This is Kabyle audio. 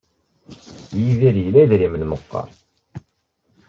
Yidir ila idrimen meqqar?